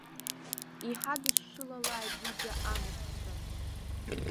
Иҳадашшылалааит ҩыџьа амаҳәцәа.